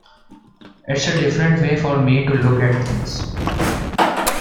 It's a different way for me to look at things.